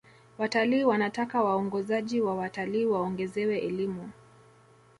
watalii wanataka waongozaji wa watalii waongezewe elimu